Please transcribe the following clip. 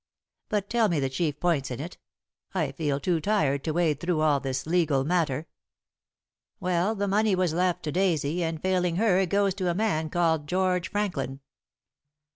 But tell me the chief points in it. I feel too tired to wade through all this legal matter." "Well, the money was left to Daisy, and failing her it goes to a man called George Franklin."